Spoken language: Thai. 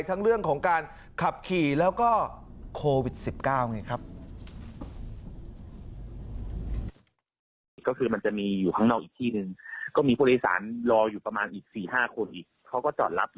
ทั้งเรื่องของการขับขี่แล้วก็โควิด๑๙ไงครับ